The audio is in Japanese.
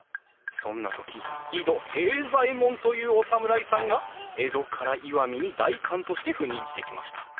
そんな時井戸平左衛門というお侍さんが江戸から石見に代官として赴任してきました。